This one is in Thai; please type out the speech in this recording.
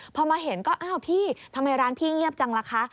พอมาเห็นก็อ้าวพี่ทำไมร้านพี่เงียบจังล่ะคะ